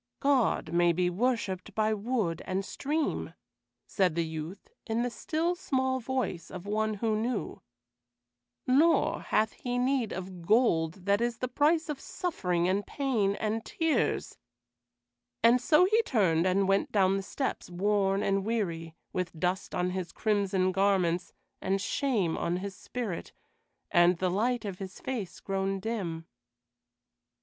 "God may be worshiped by wood and stream," said the youth, in the still, small voice of one who knew; "nor hath He need of gold that is the price of suffering and pain and tears;" and so he turned and went down the steps, worn and weary, with dust on his crimson garments, and shame on his spirit, and the light of his face grown dim.